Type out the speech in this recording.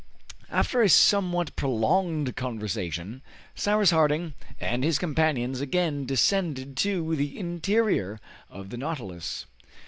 After a somewhat prolonged conversation, Cyrus Harding and his companions again descended to the interior of the "Nautilus."